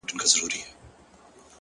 • نسه نه وو نېمچه وو ستا د درد په درد؛